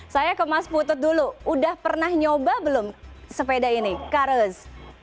saya ke mas putut dulu udah pernah nyoba belum sepeda ini karus